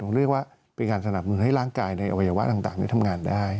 เรียกว่าเป็นการสนับมือให้ร่างกายในอวัยวะต่างทำงานได้